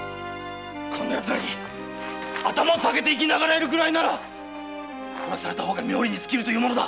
こんなやつらに頭を下げて生き長らえるなら殺された方が冥利に尽きるというものだ。